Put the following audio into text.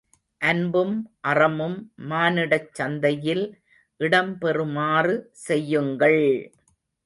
அன்பும் அறமும் மானிடச் சந்தையில் இடம் பெறுமாறு செய்யுங்கள்!